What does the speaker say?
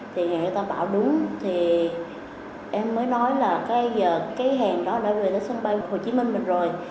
thì người ta bảo đúng thì em mới nói là cái hàng đó đã về đến sân bay hồ chí minh mình rồi